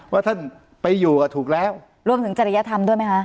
ว่าท่านไปอยู่อ่ะถูกแล้วรวมถึงจริยธรรมด้วยไหมคะ